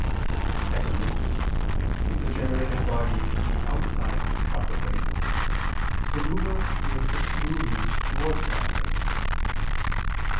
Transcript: Secondly, if the generated body be outside its proper place, the mover gives it movement towards that place.